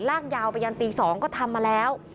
ลากยาวไปยันตี๒ก็ทำมาแล้ว